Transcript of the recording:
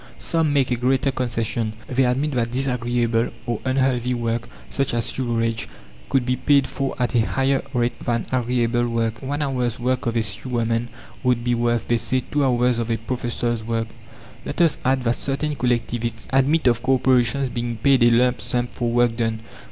Some make a greater concession; they admit that disagreeable or unhealthy work such as sewerage could be paid for at a higher rate than agreeable work. One hour's work of a sewerman would be worth, they say, two hours of a professor's work. Let us add that certain collectivists admit of corporations being paid a lump sum for work done.